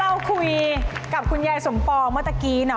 เราคุยกับคุณยายสมปองเมื่อตะกี้เนาะ